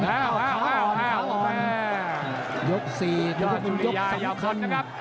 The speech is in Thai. ยก๔ยกสมควร